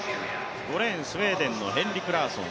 ５レーン、スウェーデンのヘンリク・ラーソン。